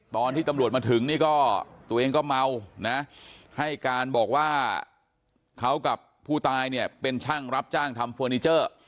ตอนที่ตำรวจมาถึงนี่ก็ตัวเองก็เมานะให้การบอกว่าเขากับผู้ตายเนี่ยเป็นช่างรับจ้างทำเฟอร์นิเจอร์